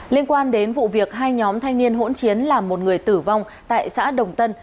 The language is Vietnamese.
liên quan đến vụ việc hai nhóm thanh niên hỗn chiến làm một người tử vong tại xã đồng tân